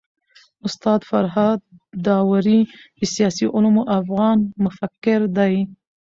استاد فرهاد داوري د سياسي علومو افغان مفکر دی.